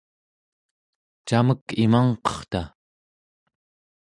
camek imangqerta?